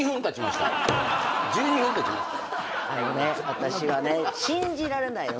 私は信じられないの。